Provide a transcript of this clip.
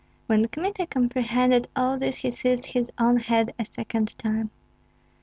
When Kmita comprehended all this, he seized his own head a second time.